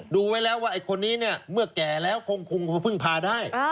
ดูไว้แล้วว่าไอ้คนนี้เนี่ยเมื่อแก่แล้วคงพึ่งพาได้